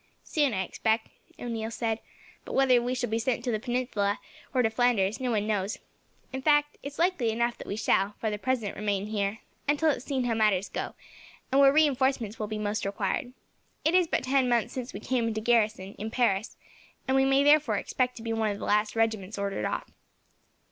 "Soon, I expect," O'Neil said; "but whether we shall be sent to the Peninsula, or to Flanders, no one knows. In fact, it is likely enough that we shall, for the present, remain here; until it is seen how matters go, and where reinforcements will be most required. It is but ten months since we came into garrison, in Paris, and we may therefore expect to be one of the last regiments ordered off.